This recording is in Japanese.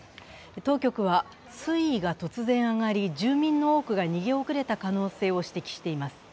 当局は水位が突然上がり、住民の多くが逃げ遅れた可能性を指摘しています。